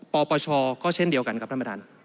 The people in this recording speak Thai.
ปปชก็เช่นเดียวกันครับ